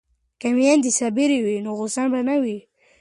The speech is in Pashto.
که میندې صابرې وي نو غوسه به نه وي.